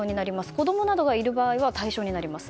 子供などがいる場合は対象になります。